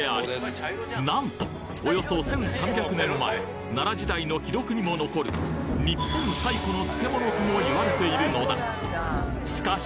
およそ１３００年前奈良時代の記録にも残る日本最古の漬物とも言われているのだしかし